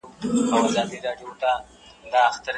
کله چې بزګر حاصل ټولوي ستړیا هېروي.